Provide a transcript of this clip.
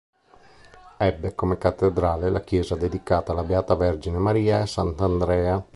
Ebbe come cattedrale la chiesa dedicata alla Beata Vergine Maria e a Sant'Andrea.